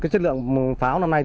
chất lượng pháo năm nay